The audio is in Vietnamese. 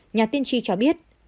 nhà tiên tri cho biết